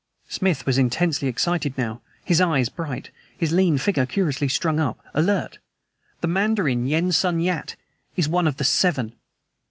Smith was intensely excited now, his eyes bright, his lean figure curiously strung up, alert. "The Mandarin Yen Sun Yat is one of the seven!"